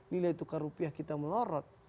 nilai tukar rupiah kita melorot